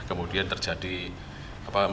kemudian terjadi empat kawah